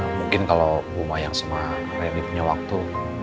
mungkin kalau buma yang sama rani punya waktu